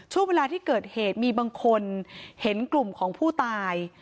ช่วงเวลาที่เกิดเหตุมีบางคนเห็นกลุ่มของผู้ตาย